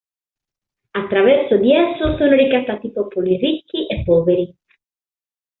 Attraverso di esso sono ricattati popoli ricchi e poveri.